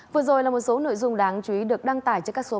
vừa rồi là một số nội dung đáng chú ý được đăng tải trên các số báo